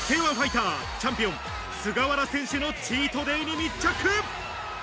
Ｋ‐１ファイターチャンピオン菅原選手のチートデイに密着。